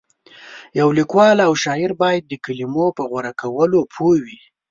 یو لیکوال او شاعر باید د کلمو په غوره کولو پوه وي.